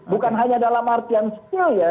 bukan hanya dalam artian skill ya